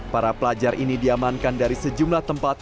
para pelajar ini diamankan dari sejumlah tempat